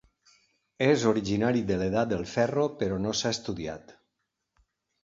És originari de l'edat del ferro, però no s'ha estudiat.